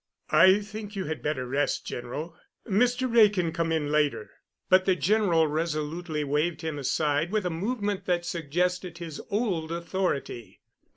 "I think you had better rest, General. Mr. Wray can come in later." But the General resolutely waved him aside with a movement that suggested his old authority.